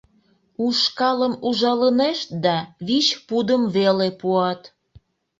Ушкалым ужалынешт да, вич пудым веле пуат.